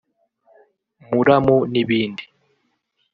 muramu n’ibindi